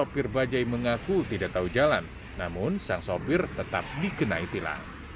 sopir bajai mengaku tidak tahu jalan namun sang sopir tetap dikenai tilang